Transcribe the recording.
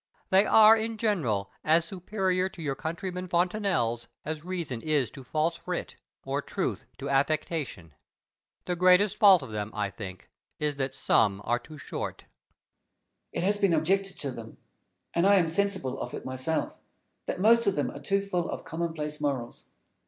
They are in general as superior to your countryman Fontenelle's as reason is to false wit, or truth to affectation. The greatest fault of them, I think, is, that some are too short. Fenelon. It has been objected to them and I am sensible of it myself that most of them are too full of commonplace morals.